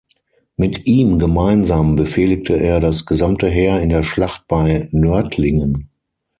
Mit ihm gemeinsam befehligte er das gesamte Heer in der Schlacht bei Nördlingen.